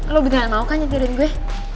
lo beneran mau kan nyetirin gue